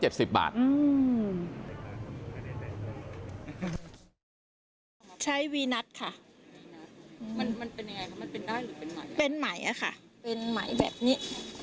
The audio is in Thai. ใช้วีนัทค่ะมันมันเป็นยังไงคะมันเป็นได้หรือเป็นไหมเป็นไหมอะค่ะเป็นไหมแบบนี้